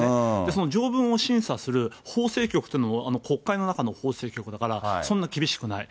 その条文を審査する法制局というのは国会の中の法制局だから、そんな厳しくない。